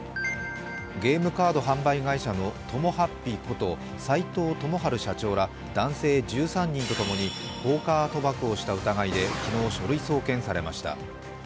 ゲームカード販売会社のトモハッピーこと斉藤友晴社長ら男性１３人とともにポーカー賭博をした疑いで昨日、書類送検されました。